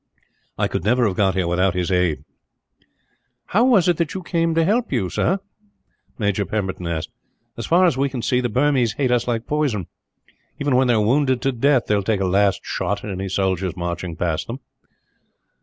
I could never have got here without his aid." "How was it that he came to help you, sir?" Major Pemberton asked. "As far as we can see, the Burmese hate us like poison. Even when they are wounded to death, they will take a last shot at any soldiers marching past them."